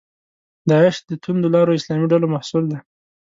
داعش د توندلارو اسلامي ډلو محصول دی.